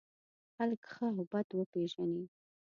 خلک ښه او بد وپېژني.